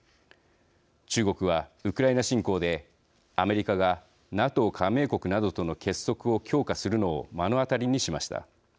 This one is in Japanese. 中国は、ウクライナ侵攻でアメリカがＮＡＴＯ加盟国などとの結束を強化するのを目の当たりにしました。